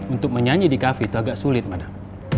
untuk menyanyi di kafe itu agak sulit madam